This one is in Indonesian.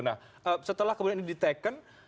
nah setelah kemudian ini diteken